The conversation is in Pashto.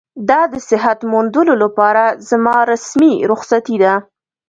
دا د صحت موندلو لپاره زما رسمي رخصتي ده.